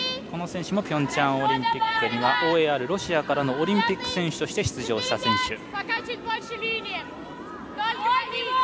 この選手もピョンチャンオリンピックのときＯＡＲ、ロシアからのオリンピック選手として出場した選手。